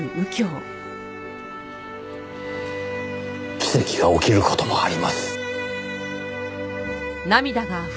奇跡が起きる事もあります。